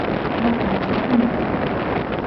მათი მატლები მოძრავია.